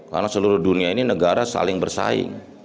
karena seluruh dunia ini negara saling bersaing